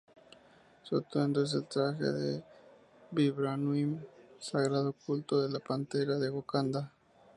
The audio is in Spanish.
Su atuendo es el traje de vibranium sagrado Culto de la Pantera de Wakanda.